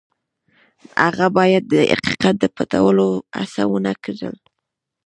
هغه باید د حقیقت د پټولو هڅه ونه کړي.